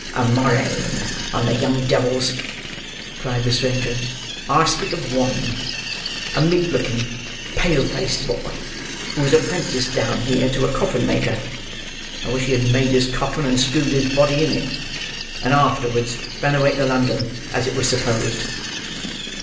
"A murrain on the young devils!" cried the stranger; "I speak of one; a meek looking, pale faced boy, who was apprenticed down here, to a coffin maker—I wish he had made his coffin, and screwed his body in it—and who afterwards ran away to London, as it was supposed."